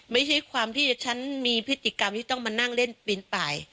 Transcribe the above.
ไม่ใช่ความที่ฉันมีพฤติกรรมที่ต้องมานั่งเล่นปีนป่าย